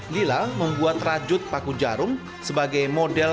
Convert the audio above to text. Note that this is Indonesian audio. lila membuat rajut paku jarum sebagai model